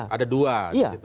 ada dua di situ